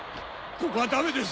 ここはダメです！